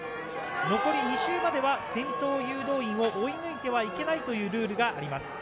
残り２周までは先頭誘導員を追い抜いてはいけないというルールがあります。